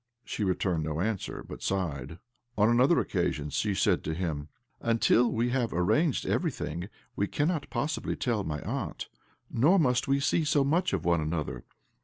She returned no answer, but sighed. On another occasion she said to him —" Until we have arranged everything we cannot possibly tell my aunt. Nor must we see so much of one another.